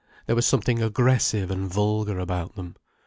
There was something aggressive and vulgar about them.